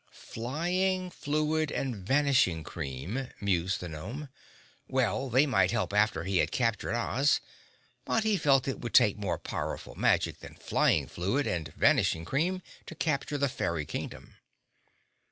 "Flying Fluid and Vanishing Cream," mused the gnome. Well, they might help after he had captured Oz, but he felt it would take more powerful magic than Flying Fluid and Vanishing Cream to capture the fairy Kingdom.